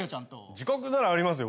自覚ならありますよ